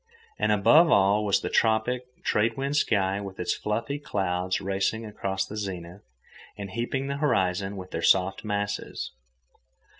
And above all was the tropic, trade wind sky with its fluffy clouds racing across the zenith and heaping the horizon with their soft masses.